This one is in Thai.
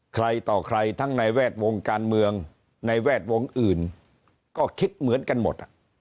ใครต่อใครทั้งในแวดวงการเมืองในแวดวงอื่นก็คิดเหมือนกันหมด